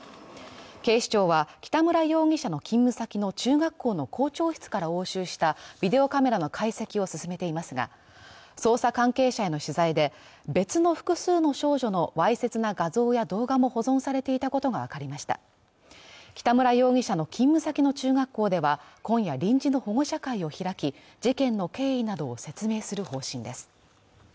警視庁は北村容疑者の勤務先の中学校の校長室から押収したビデオカメラの解析を進めていますが捜査関係者への取材で別の複数の少女のわいせつな画像や動画も保存されていたことが分かりました北村容疑者の勤務先の中学校では今夜臨時の保護者会を開き事件の経緯などを説明する方針です